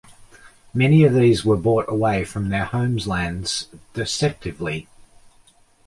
Many of these were brought away from their homelands deceptively.